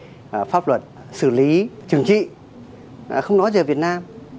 chúng ta đều bị pháp luật xử lý trừng trị không nói về việt nam